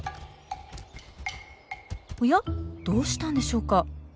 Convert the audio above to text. おやどうしたんでしょうか。